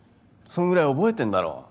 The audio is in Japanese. そんぐらい覚えてんだろ。